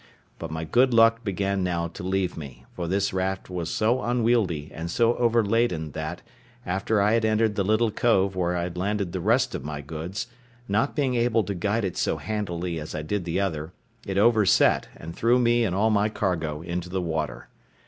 But my good luck began now to leave me; for this raft was so unwieldy, and so overladen, that, after I had entered the little cove where I had landed the rest of my goods, not being able to guide it so handily as I did the other, it overset, and threw me and all my cargo into the water.